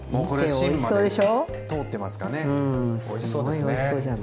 おいしそうですね。